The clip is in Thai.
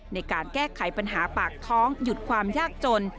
ในการแก้ไขปัญหาปากท้องหยุดความยากจน